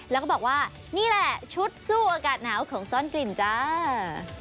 แล้วก็บอกว่านี่แหละชุดสู้อากาศหนาวของซ่อนกลิ่นจ้า